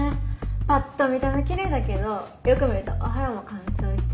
ぱっと見た目きれいだけどよく見るとお肌も乾燥してるし。